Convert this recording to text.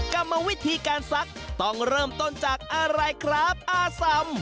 กรรมวิธีการซักต้องเริ่มต้นจากอะไรครับอาสำ